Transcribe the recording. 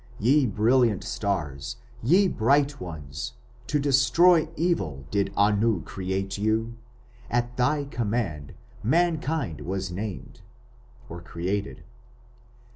"Ye brilliant stars... ye bright ones... to destroy evil did Anu create you.... At thy command mankind was named (created)!